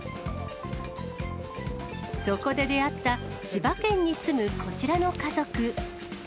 そこで出会った千葉県に住むこちらの家族。